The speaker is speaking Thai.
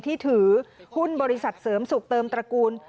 ที่ถือหุ้นบริษัทเสริมสุขเติมตระกูล